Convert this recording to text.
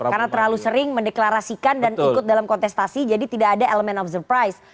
karena terlalu sering mendeklarasikan dan ikut dalam kontestasi jadi tidak ada element of surprise